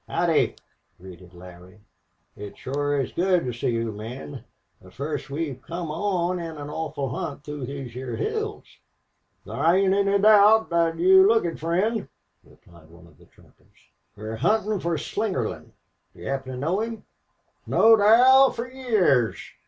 "Howdy!" greeted Larry. "It shore is good to see you men the fust we've come on in an awful hunt through these heah hills." "Thar ain't any doubt thet you look it, friend," replied one of the trappers. "We're huntin' fer Slingerland. Do you happen to know him?" "Knowed Al fer years.